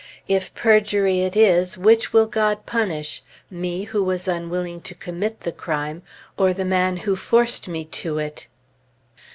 If perjury it is, which will God punish: me, who was unwilling to commit the crime, or the man who forced me to it?